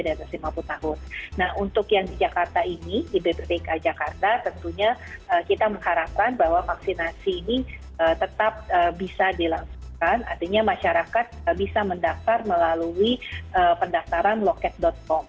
nah untuk yang di jakarta ini di bptk jakarta tentunya kita mengharapkan bahwa vaksinasi ini tetap bisa dilangsungkan artinya masyarakat bisa mendaftar melalui pendaftaran loket com